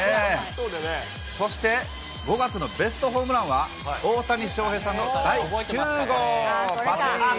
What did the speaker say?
そして５月のベストホームランは大谷翔平さんの第９号、ばちーん。